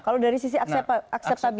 kalau dari sisi akseptabilitas mas yoyadi